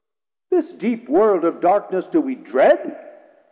This deep world Of darkness do we dread?